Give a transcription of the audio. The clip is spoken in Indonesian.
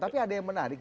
tapi ada yang menarik